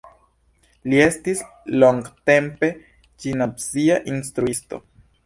Li estis longtempe gimnazia instruisto.